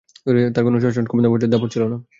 তাঁর কোন শাসন-ক্ষমতা বা দাপট ছিল না।